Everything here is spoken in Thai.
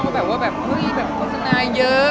แบบว่าแบบเฮ้ยแบบโฆษณาเยอะ